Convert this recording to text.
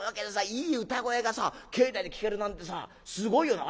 いい歌声が境内で聴けるなんてさすごいよな。